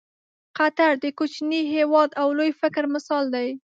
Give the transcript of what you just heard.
قطر د کوچني هېواد او لوی فکر مثال دی.